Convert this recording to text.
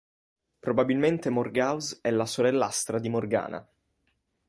Probabilmente Morgause è la sorellastra di Morgana.